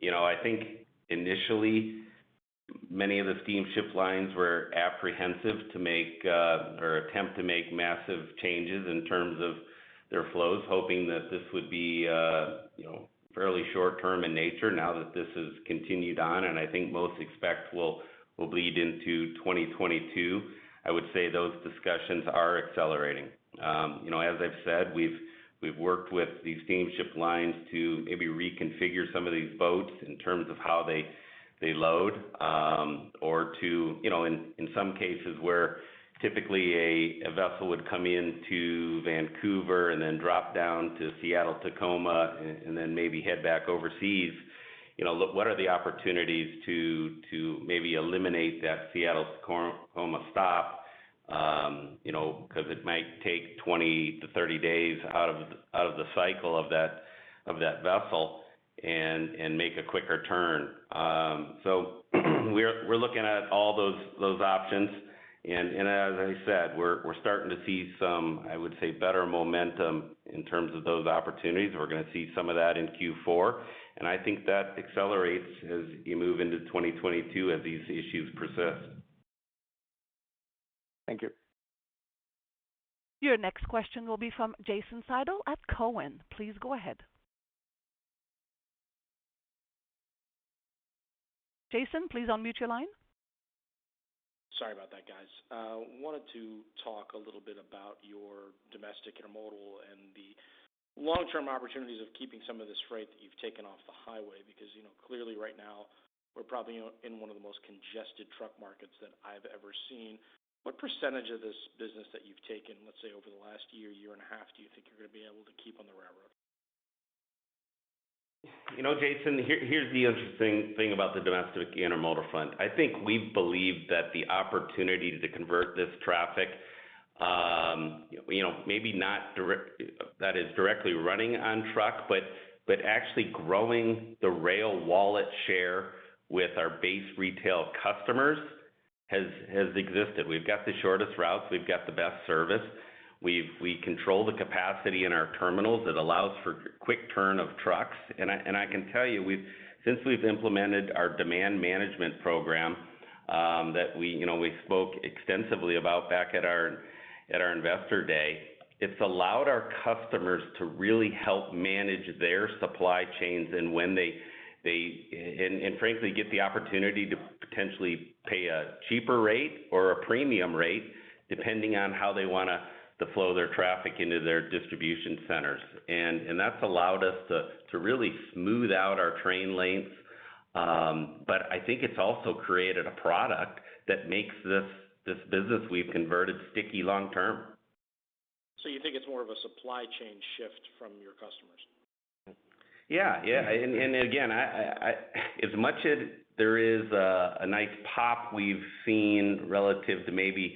You know, I think initially many of the steamship lines were apprehensive to make or attempt to make massive changes in terms of their flows, hoping that this would be, you know, fairly short term in nature. Now that this has continued on, and I think most expect will bleed into 2022, I would say those discussions are accelerating. You know, as I've said, we've worked with the steamship lines to maybe reconfigure some of these boats in terms of how they load, or to, you know, in some cases where typically a vessel would come into Vancouver and then drop down to Seattle-Tacoma, and then maybe head back overseas. You know, look, what are the opportunities to maybe eliminate that Seattle-Tacoma stop, you know, 'cause it might take 20-30 days out of the cycle of that vessel and make a quicker turn. We're looking at all those options, and as I said, we're starting to see some, I would say, better momentum in terms of those opportunities. We're gonna see some of that in Q4, and I think that accelerates as you move into 2022 as these issues persist. Thank you. Your next question will be from Jason Seidl at Cowen. Please go ahead. Jason, please unmute your line. Sorry about that, guys. wanted to talk a little bit about your domestic intermodal and the long-term opportunities of keeping some of this freight that you've taken off the highway, because, you know, clearly right now we're probably in one of the most congested truck markets that I've ever seen. What percentage of this business that you've taken, let's say, over the last year and a half, do you think you're gonna be able to keep on the railroad? You know, Jason, here's the interesting thing about the domestic intermodal front. I think we believe that the opportunity to convert this traffic, you know, maybe not that is directly running on truck, but actually growing the rail wallet share with our base retail customers has existed. We've got the shortest routes. We've got the best service. We control the capacity in our terminals that allows for quick turn of trucks. I can tell you, since we've implemented our demand management program, that we, you know, we spoke extensively about back at our Investor Day, it's allowed our customers to really help manage their supply chains and when they, and frankly, get the opportunity to potentially pay a cheaper rate or a premium rate, depending on how they wanna to flow their traffic into their distribution centers. That's allowed us to really smooth out our train lengths. I think it's also created a product that makes this business we've converted sticky long term. You think it's more of a supply chain shift from your customers? Yeah. Yeah. Again, as much as there is a nice pop we've seen relative to maybe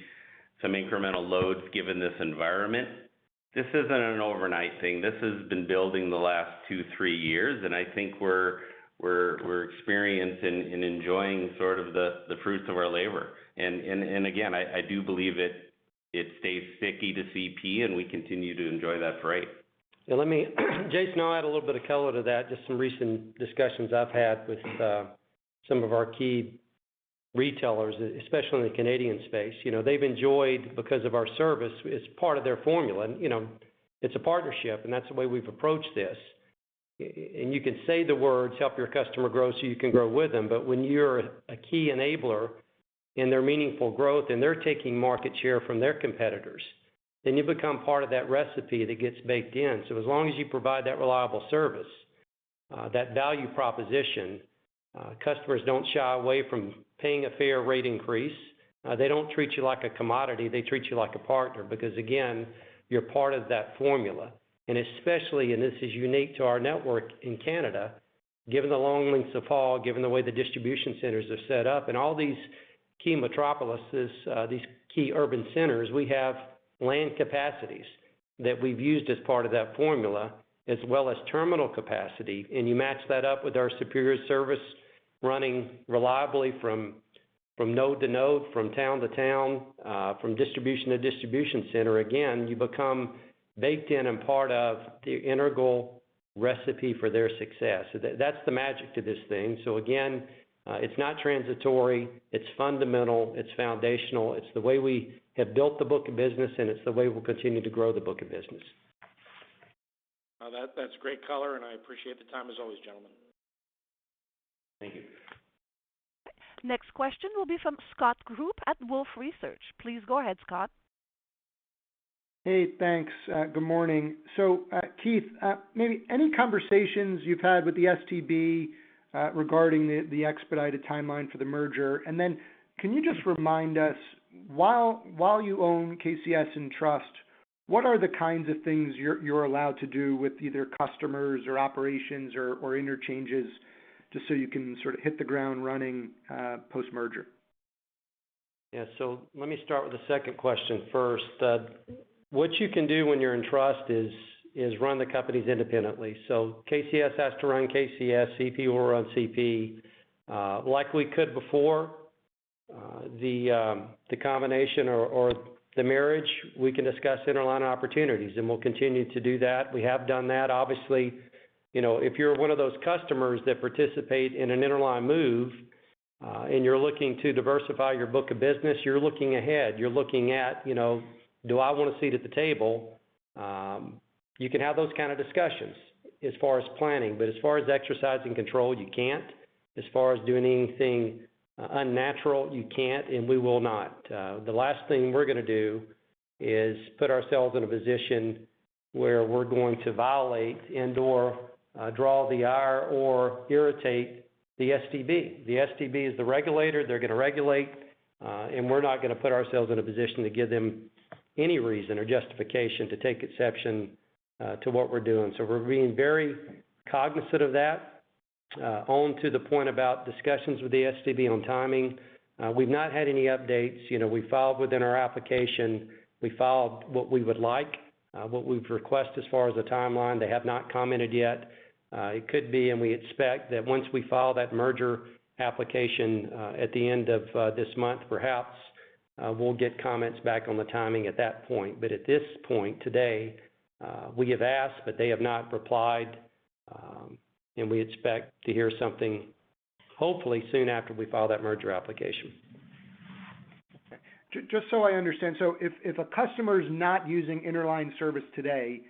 some incremental loads given this environment, this isn't an overnight thing. This has been building the last two, three years, and I think we're experiencing and enjoying sort of the fruits of our labor. Again, I do believe it stays sticky to CP, and we continue to enjoy that freight. Yeah, let me Jason, I'll add a little bit of color to that, just some recent discussions I've had with some of our key retailers, especially in the Canadian space. You know, they've enjoyed, because of our service, it's part of their formula. You know, it's a partnership, that's the way we've approached this. You can say the words, "Help your customer grow, so you can grow with them," when you're a key enabler in their meaningful growth and they're taking market share from their competitors, you become part of that recipe that gets baked in. As long as you provide that reliable service, that value proposition, customers don't shy away from paying a fair rate increase. They don't treat you like a commodity. They treat you like a partner because, again, you're part of that formula. Especially, this is unique to our network in Canada, given the long lengths of haul, given the way the distribution centers are set up, in all these key metropolises, these key urban centers, we have land capacities that we've used as part of that formula, as well as terminal capacity. You match that up with our superior service running reliably from node to node, from town to town, from distribution to distribution center, again, you become baked in and part of the integral recipe for their success. That's the magic to this thing. Again, it's not transitory. It's fundamental. It's foundational. It's the way we have built the book of business, and it's the way we'll continue to grow the book of business. No, that's great color, and I appreciate the time as always, gentlemen. Thank you. Next question will be from Scott Group at Wolfe Research. Please go ahead, Scott. Hey, thanks. Good morning. Keith, maybe any conversations you've had with the STB regarding the expedited timeline for the merger? Can you just remind us, while you own KCS in trust, what are the kinds of things you're allowed to do with either customers or operations or interchanges, just so you can sort of hit the ground running post-merger? Yeah. Let me start with the second question first. What you can do when you're in trust is run the companies independently. KCS has to run KCS. CP will run CP. Like we could before, the combination or the marriage, we can discuss interline opportunities, and we'll continue to do that. We have done that. Obviously, you know, if you're one of those customers that participate in an interline move, and you're looking to diversify your book of business, you're looking ahead. You're looking at, you know, do I want a seat at the table? You can have those kind of discussions as far as planning. As far as exercising control, you can't. As far as doing anything unnatural, you can't, and we will not. The last thing we're going to do is put ourselves in a position where we're going to violate and/or draw the ire or irritate the STB. The STB is the regulator. They're going to regulate, and we're not going to put ourselves in a position to give them. Any reason or justification to take exception to what we're doing. We're being very cognizant of that. On to the point about discussions with the STB on timing, we've not had any updates. You know, we filed within our application, we filed what we would like, what we'd request as far as a timeline. They have not commented yet. It could be, and we expect that once we file that merger application, at the end of this month perhaps, we'll get comments back on the timing at that point. At this point today, we have asked but they have not replied. We expect to hear something hopefully soon after we file that merger application. Okay. Just so I understand, if a customer's not using interline service today,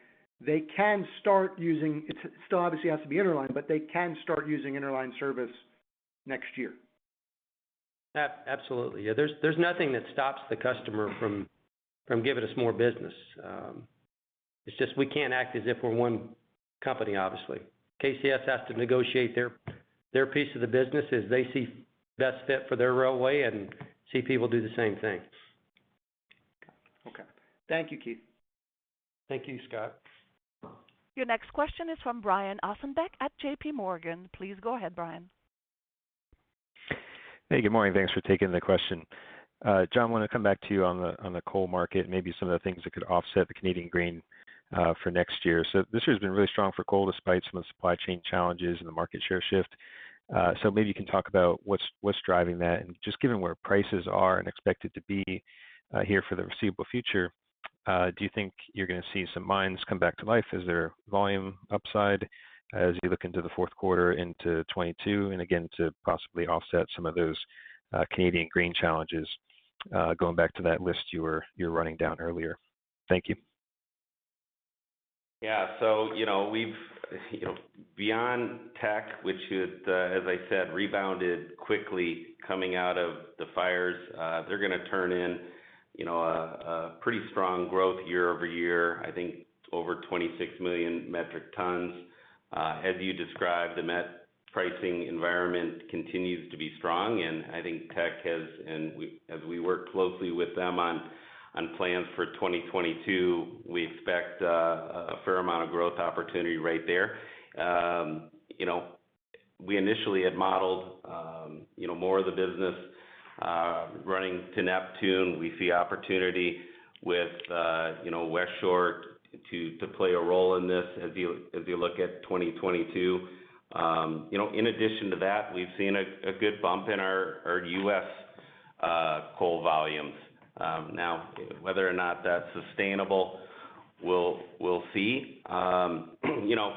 they can start using it still obviously has to be interline, but they can start using interline service next year? Absolutely. Yeah, there's nothing that stops the customer from giving us more business. It's just we can't act as if we're one company, obviously. KCS has to negotiate their piece of the business as they see best fit for their railway, and CP will do the same thing. Okay. Thank you, Keith. Thank you, Scott. Your next question is from Brian Ossenbeck at JPMorgan. Please go ahead, Brian. Good morning. Thanks for taking the question. John, I wanna come back to you on the coal market, maybe some of the things that could offset the Canadian grain for next year. This year's been really strong for coal despite some of the supply chain challenges and the market share shift. Maybe you can talk about what's driving that. Just given where prices are and expected to be here for the foreseeable future, do you think you're gonna see some mines come back to life? Is there volume upside as you look into the fourth quarter into 2022? Again, to possibly offset some of those Canadian grain challenges, going back to that list you were running down earlier. Thank you. You know, we've, you know, beyond Teck, which had, as I said, rebounded quickly coming out of the fires, they're going to turn in, you know, a pretty strong growth year-over-year. I think over 26 million metric tons. As you described, the met pricing environment continues to be strong, and I think Teck has, as we work closely with them on plans for 2022, we expect a fair amount of growth opportunity right there. You know, we initially had modeled, you know, more of the business running to Neptune. We see opportunity with, you know, Westshore to play a role in this as you look at 2022. You know, in addition to that, we've seen a good bump in our U.S. coal volumes. Now whether or not that's sustainable, we'll see. You know,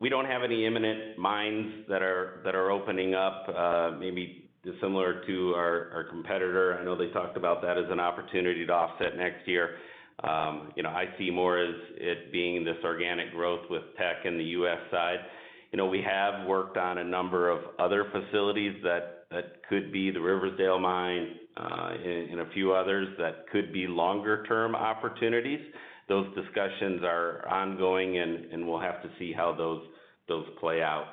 we don't have any imminent mines that are opening up, maybe dissimilar to our competitor. I know they talked about that as an opportunity to offset next year. You know, I see more as it being this organic growth with Teck in the U.S. side. You know, we have worked on a number of other facilities that could be the Riversdale Mine, and a few others that could be longer term opportunities. Those discussions are ongoing and we'll have to see how those play out.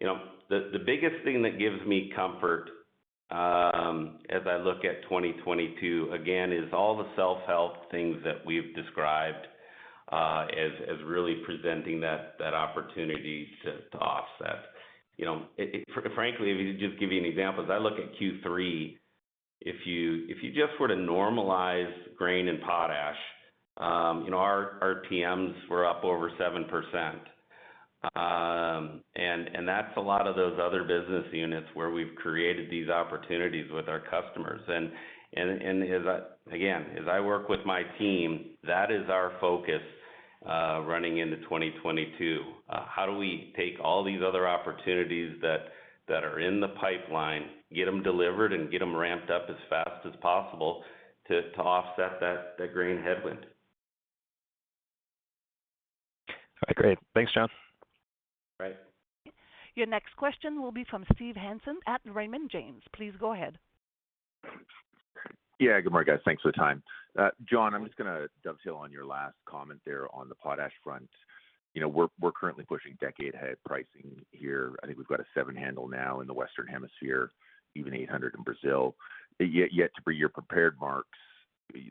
You know, the biggest thing that gives me comfort, as I look at 2022, again, is all the self-help things that we've described, as really presenting that opportunity to offset. You know, frankly, if you just give you an example, as I look at Q3, if you just were to normalize grain and potash, you know, our RTMs were up over 7%. That's a lot of those other business units where we've created these opportunities with our customers. As I again, as I work with my team, that is our focus, running into 2022. How do we take all these other opportunities that are in the pipeline, get them delivered, and get them ramped up as fast as possible to offset that grain headwind? All right, great. Thanks, John. Right. Your next question will be from Steve Hansen at Raymond James. Please go ahead. Yeah. Good morning, guys. Thanks for the time. John, I'm just gonna dovetail on your last comment there on the potash front. You know, we're currently pushing decade ahead pricing here. I think we've got a seven handle now in the Western Hemisphere, even 800 in Brazil. Yet to be your prepared marks,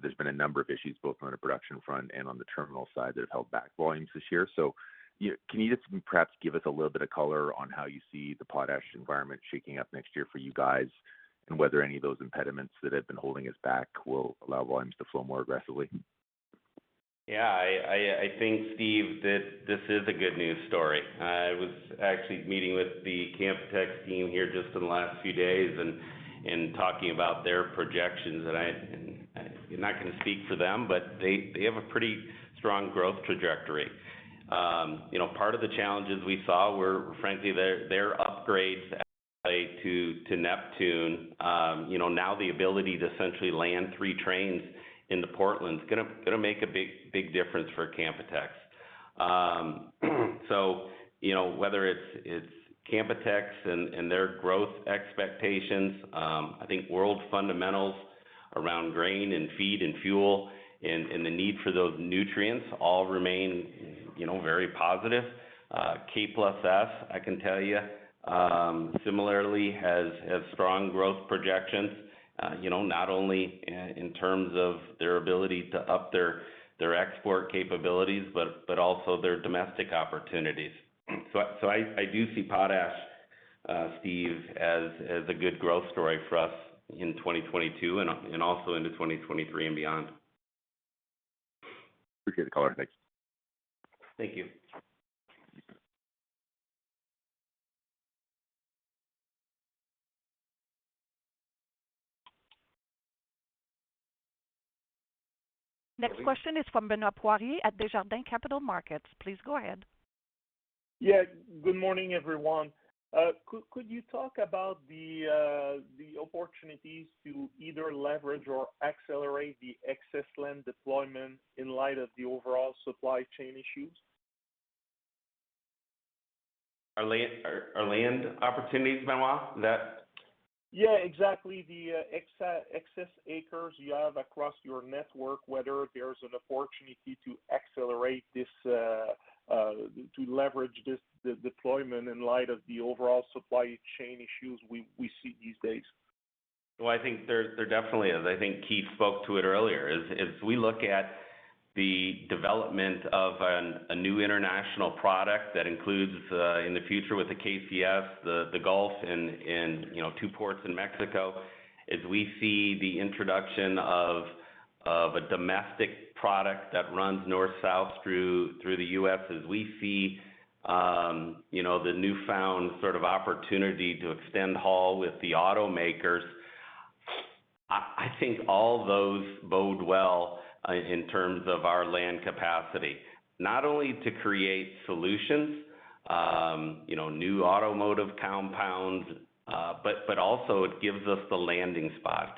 there's been a number of issues both on the production front and on the terminal side that have held back volumes this year. You know, can you just perhaps give us a little bit of color on how you see the potash environment shaping up next year for you guys, and whether any of those impediments that have been holding us back will allow volumes to flow more aggressively? I think, Steve, this is a good news story. I was actually meeting with the Canpotex team here just in the last few days and talking about their projections. I'm not gonna speak for them, but they have a pretty strong growth trajectory. You know, part of the challenges we saw were frankly their upgrades to Neptune. You know, now the ability to essentially land three trains into Portland's gonna make a big difference for Canpotex. You know, whether it's Canpotex and their growth expectations, I think world fundamentals around grain and feed and fuel and the need for those nutrients all remain, you know, very positive. K+S, I can tell you, similarly has strong growth projections. You know, not only in terms of their ability to up their export capabilities but also their domestic opportunities. I do see potash, Steve, as a good growth story for us in 2022 and also into 2023 and beyond. Appreciate the color. Thanks. Thank you. Next question is from Benoit Poirier at Desjardins Capital Markets. Please go ahead. Yeah. Good morning, everyone. Could you talk about the opportunities to either leverage or accelerate the excess land deployment in light of the overall supply chain issues? Our land opportunities, Benoit? Yeah, exactly. The excess acres you have across your network, whether there's an opportunity to accelerate this to leverage this, the deployment in light of the overall supply chain issues we see these days. Well, I think there definitely is. I think Keith spoke to it earlier, is as we look at the development of a new international product that includes in the future with the KCS, the Gulf and, you know, two ports in Mexico, as we see the introduction of a domestic product that runs north-south through the U.S., as we see, you know, the newfound sort of opportunity to extend haul with the automakers, I think all those bode well in terms of our land capacity, not only to create solutions, you know, new automotive compounds, but also it gives us the landing spot.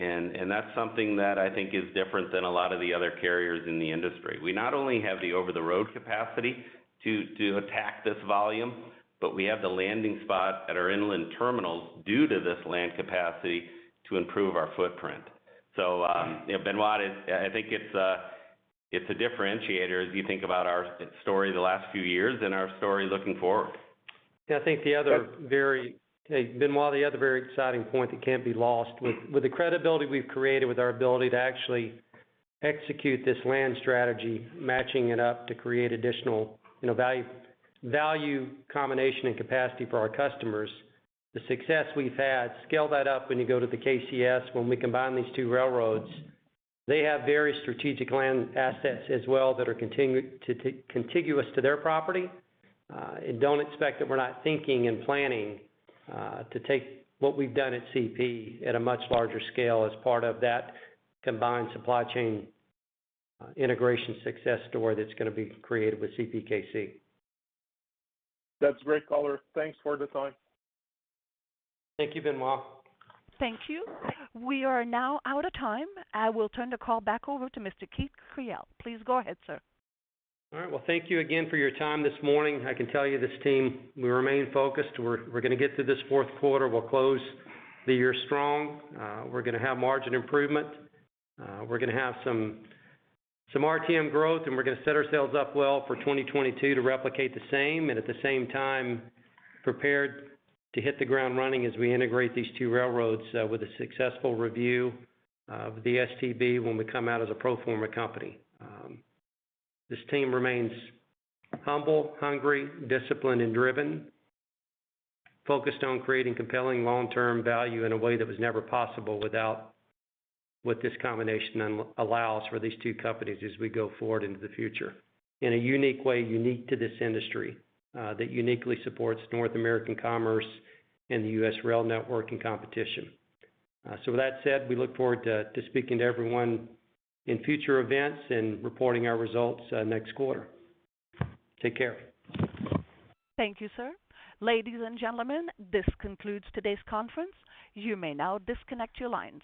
That's something that I think is different than a lot of the other carriers in the industry. We not only have the over-the-road capacity to attack this volume, but we have the landing spot at our inland terminals due to this land capacity to improve our footprint. You know, Benoit, it's, I think it's a differentiator as you think about our story the last few years and our story looking forward. Yeah. I think the other Hey, Benoit, the other very exciting point that can't be lost, with the credibility we've created with our ability to actually execute this land strategy, matching it up to create additional, you know, value combination and capacity for our customers, the success we've had, scale that up when you go to the KCS, when we combine these two railroads, they have very strategic land assets as well that are contiguous to their property. Don't expect that we're not thinking and planning to take what we've done at CP at a much larger scale as part of that combined supply chain integration success story that's gonna be created with CPKC. That's great color. Thanks for the time. Thank you, Benoit. Thank you. We are now out of time. I will turn the call back over to Mr. Keith Creel. Please go ahead, sir. All right. Well, thank you again for your time this morning. I can tell you this team, we remain focused. We're gonna get through this fourth quarter. We'll close the year strong. We're gonna have margin improvement. We're gonna have some RTM growth, and we're gonna set ourselves up well for 2022 to replicate the same, and at the same time prepared to hit the ground running as we integrate these two railroads, with a successful review of the STB when we come out as a pro forma company. This team remains humble, hungry, disciplined and driven, focused on creating compelling long-term value in a way that was never possible without what this combination allows for these two companies as we go forward into the future in a unique way unique to this industry, that uniquely supports North American commerce and the U.S. rail network and competition. With that said, we look forward to speaking to everyone in future events and reporting our results next quarter. Take care. Thank you, sir. Ladies and gentlemen, this concludes today's conference. You may now disconnect your lines.